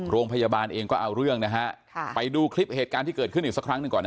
โรงพยาบาลเองก็เอาเรื่องนะฮะค่ะไปดูคลิปเหตุการณ์ที่เกิดขึ้นอีกสักครั้งหนึ่งก่อนนะฮะ